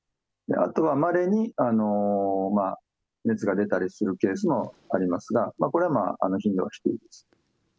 あとはまれに、熱が出たりするケースもありますが、これはまあ、頻度は低いです。